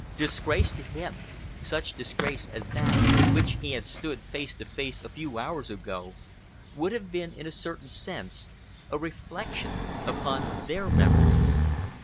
Disgrace to him, such disgrace as that with which he had stood face to face a few hours ago, would have been, in a certain sense, a reflection upon their memories.